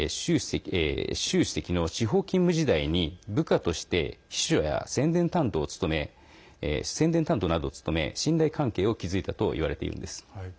習主席の地方勤務時代に部下として秘書や宣伝担当などを務め信頼関係を築いたといわれているんです。